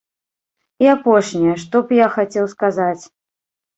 І апошняе, што б я хацеў сказаць.